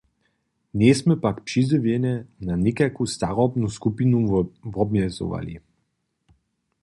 Njejsmy pak přizjewjenje na někajku starobnu skupinu wobmjezowali.